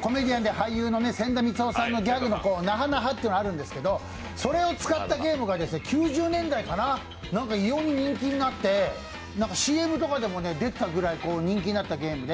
コメディアンで俳優のせんだみつおさんのギャグでナハナハというのがあるんですけど、それを使ったゲームが９０年代から異様に人気になってＣＭとかでも出てたぐらい人気になったゲームで。